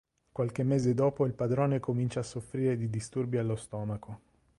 Qualche mese dopo il padrone comincia a soffrire di disturbi allo stomaco.